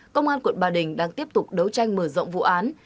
công an quận bà đình đang tiếp tục đấu tranh mở rộng vụ án